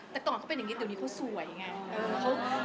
แต่ก่อนเขาเป็นอย่างนี้เดี๋ยวนี้เขาสวยไง